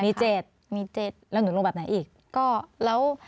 มี๗มี๗แล้วหนูลงแบบไหนอีกก็แล้ว